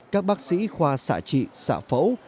các bác sĩ khoa xạ trị xạ phẫu